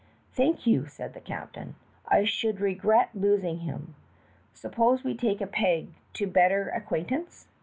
"Thank you," said the captain. "I should regret losing him. Suppose we take a peg to better acquaintance?